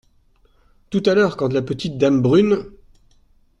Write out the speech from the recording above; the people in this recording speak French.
Tout à l’heure, quand la petite dame brune !…